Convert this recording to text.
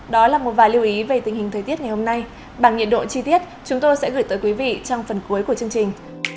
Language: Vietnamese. đó là một vài lưu ý về tình hình thời tiết ngày hôm nay bằng nhiệt độ chi tiết chúng tôi sẽ gửi tới quý vị trong phần cuối của chương trình